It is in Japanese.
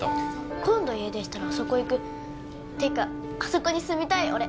今度家出したらあそこ行くてかあそこに住みたい俺